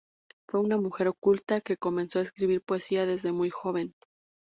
Fue una mujer culta que comenzó a escribir poesía desde muy joven.